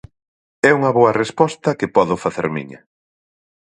É unha boa resposta que podo facer miña.